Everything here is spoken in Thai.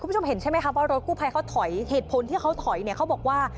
คุณผู้ชมเห็นใช่ไหมครับรถกู้ไพเค้าถอยเหตุผลที่เค้าถอยเค้าบอกว่า